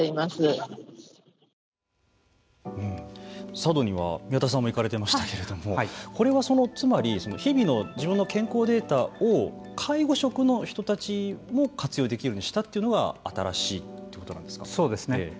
佐渡には宮田さんも行かれていましたけどこれはつまり日々の自分の健康データを介護職の人たちも活用できるようにしたというのがそうですね。